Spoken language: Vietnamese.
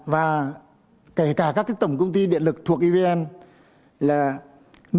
và kể cả các tổng công ty điện lực thuộc evn là nâng cao công tác dịch vụ khách hàng